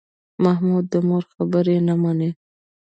محمود د مور خبرې نه مني.